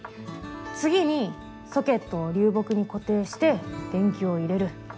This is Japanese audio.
次にソケットを流木に固定して電球を入れる。